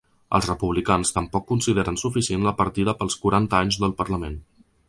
Els republicans tampoc consideren suficient la partida pels quaranta anys del parlament.